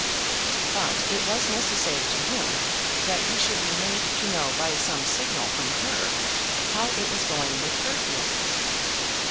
But it was necessary to him that he should be made to know by some signal from her how it was going with her feelings.